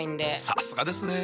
さすがですね。